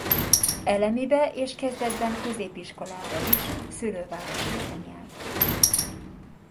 Elemibe és kezdetben középiskolába is szülővárosában járt.